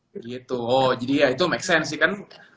gitu oh jadi ya itu make sense sih kan